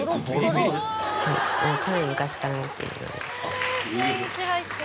かなり昔から持っているので。